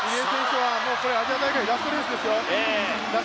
アジア大会ラストレースですよ。